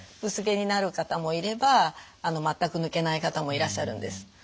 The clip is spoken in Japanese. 薄毛になる方もいれば全く抜けない方もいらっしゃるんです。